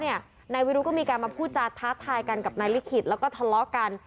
นายวิรุธก็มีการมาพูดจาท้าทายกันกับนายลิขิตแล้วก็ทะเลาะกัน